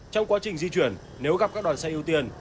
trong quá trình di chuyển nếu gặp các đoàn xe ưu tiên